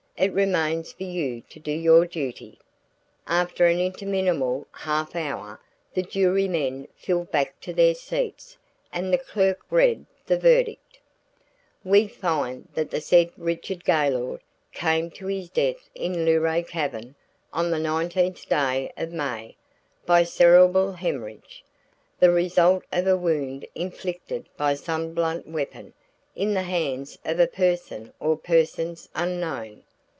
It remains for you to do your duty." After an interminable half hour the jury men filed back to their seats and the clerk read the verdict: "We find that the said Richard Gaylord came to his death in Luray Cavern on the 19th day of May, by cerebral hemorrhage, the result of a wound inflicted by some blunt weapon in the hands of a person or persons unknown.